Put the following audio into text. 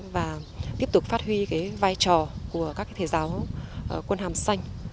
và tiếp tục phát huy cái vai trò của các thầy giáo quân hàm xanh